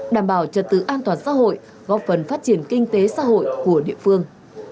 đảm bảo trật tự an toàn xã hội góp phần phát triển kinh tế xã hội của địa phương